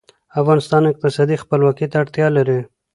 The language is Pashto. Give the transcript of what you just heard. افغانستان اقتصادي خپلواکۍ ته اړتیا لري